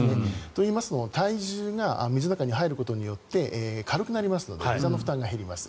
といいますのは体重が水の中に入ることによって軽くなりますのでひざの負担が減ります。